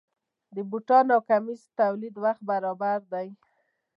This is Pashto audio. د بوټانو او کمیس د تولید وخت برابر دی.